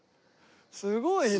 すごいね。